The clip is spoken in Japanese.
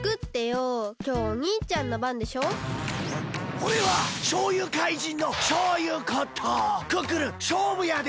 おれはしょうゆかいじんのクックルンしょうぶやで！